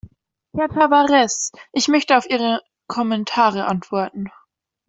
Herr Tavares, ich möchte auf Ihre Kommentare antworten.